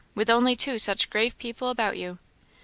with only two such grave people about you?"